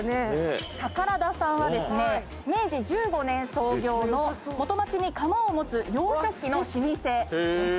タカラダさんはですね明治１５年創業の元町に窯を持つ洋食器の老舗です。